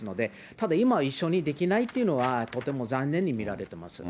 ただ、今一緒にできないっていうのはとても残念に見られてます。